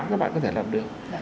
các bạn có thể làm được